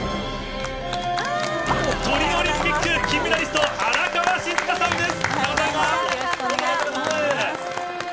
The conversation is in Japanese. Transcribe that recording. トリノオリンピック金メダリスト、荒川静香さんです。